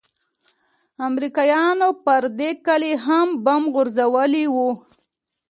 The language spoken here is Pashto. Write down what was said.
امريکايانو پر دې كلي هم بم غورځولي وو.